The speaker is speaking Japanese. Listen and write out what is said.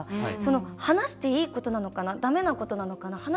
その話していいことなのかなだめなことなのかな